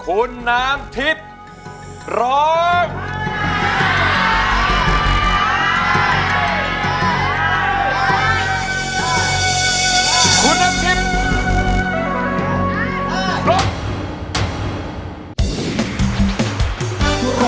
คุณน้ำทิ้ง